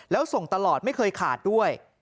แล้วส่งตลอดไม่เคยขาดด้วย